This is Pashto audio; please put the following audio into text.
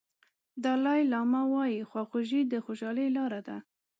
دالای لاما وایي خواخوږي د خوشالۍ لار ده.